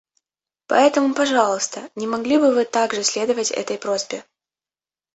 Поэтому, пожалуйста, не могли бы Вы также следовать этой просьбе?